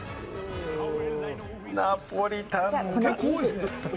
ナポリタンだ。